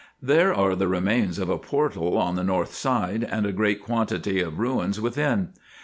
There are the remains of a portal on the north side, and a great quantity of ruins within.